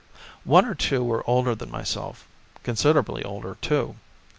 One or two were older than myself considerably older, too.